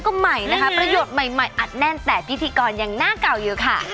ก็ใหม่นะคะประโยชน์ใหม่อัดแน่นแต่พิธีกรยังหน้าเก่าอยู่ค่ะ